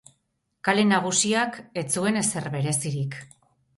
Kale nagusiak ez zuen ezer berezirik.